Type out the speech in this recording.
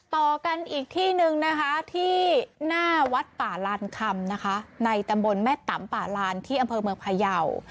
ต่อกันอีกที่หนึ่งนะคะที่หน้าวัดป่าลานคำนะคะในตำบลแม่ตำป่าลานที่อำเภอเมืองพยาว